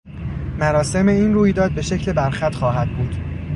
مراسم این رویداد به شکل برخط خواهد بود